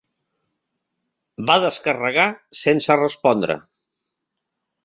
Va descarregar sense respondre.